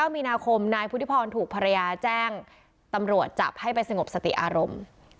มีนาคมนายพุทธิพรถูกภรรยาแจ้งตำรวจจับให้ไปสงบสติอารมณ์